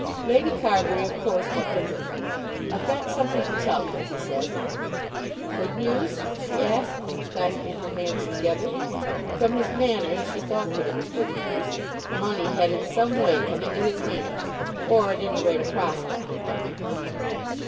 Lady Carbury of course went with him. "I've got something to tell you," he said. "Good news?" she asked, clasping her hands together. From his manner she thought that it was good news. Money had in some way come into his hands, or at any rate a prospect of money.